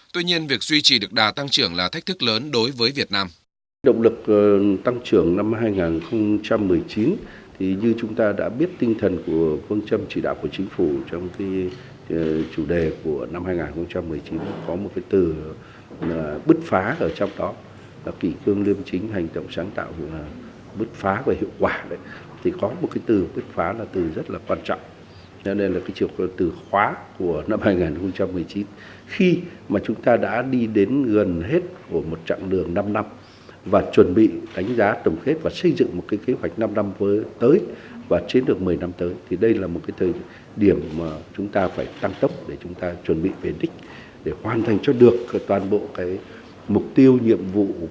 tuy nhiên việc duy trì được đà tăng trưởng là thách thức lớn đối với việt nam